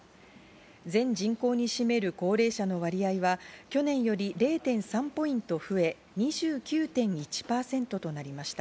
全人口に占める高齢者の割合は去年より０．３ポイント増え、２９．１％となりました。